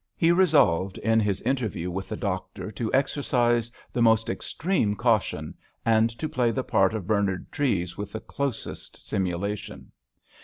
He resolved, in his interview with the doctor, to exercise the most extreme caution, and to play the part of Bernard Treves with the closest simulation.